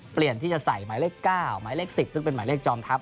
เปลี่ยนที่จะใส่หมายเลข๙หมายเลข๑๐ซึ่งเป็นหมายเลขจอมทัพ